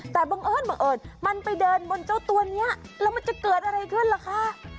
แต่บังเอิญบังเอิญมันไปเดินบนเจ้าตัวนี้แล้วมันจะเกิดอะไรขึ้นล่ะคะ